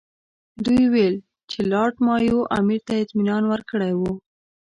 دوی وویل چې لارډ مایو امیر ته اطمینان ورکړی وو.